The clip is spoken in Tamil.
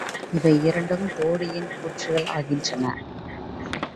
இவை இரண்டும் தோழியின் கூற்றுகள் ஆகின்றன.